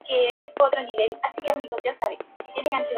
El registro de ingenieros se rige por la Ley de Registro de Ingenieros.